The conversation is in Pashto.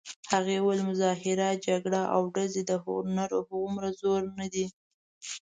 هغې ویل: مظاهره، جګړه او ډزې د هنر هومره زورور نه دي.